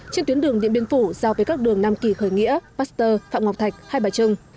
trên tuyến đường điện biên phủ giao với các đường nam kỳ khởi nghĩa pasteur phạm ngọc thạch hai bà trưng